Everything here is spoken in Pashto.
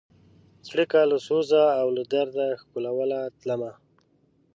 څړیکو له سوزه او له درده ښکلوله تلمه